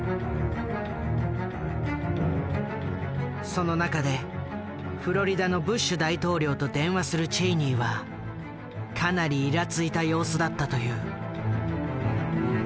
その中でフロリダのブッシュ大統領と電話するチェイニーはかなりいらついた様子だったという。